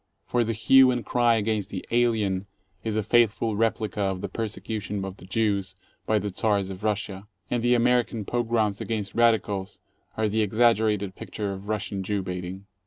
For the hue and cry against the "alien" is a faithful replica of the persecution of the Jews by the Czars of Russia, and the American pogroms against radicals are the exaggerated picture of Russian Jew baiting.